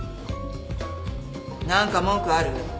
何か文句ある？